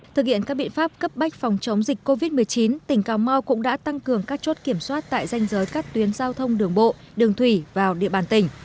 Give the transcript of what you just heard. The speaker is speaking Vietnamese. thực hiện các biện pháp cấp bách phòng chống dịch covid một mươi chín tỉnh cà mau cũng đã tăng cường các chốt kiểm soát tại danh giới các tuyến giao thông đường bộ đường thủy vào địa bàn tỉnh